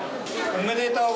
おめでとう。